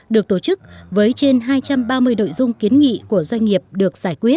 được tổ chức với trên hai trăm ba mươi đội dung kiến nghị của doanh nghiệp được giải quyết